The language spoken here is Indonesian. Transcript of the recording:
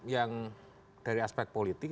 yang dari aspek politik